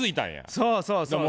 そうそうそうそう。